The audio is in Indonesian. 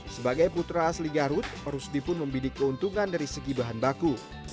sebagai putra asli garut rusdi pun membidik keuntungan dari segi bahan baku